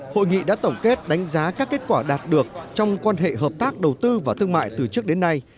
hội nghị đã tổng kết đánh giá các kết quả đạt được trong quan hệ hợp tác đầu tư và thương mại từ trước đến nay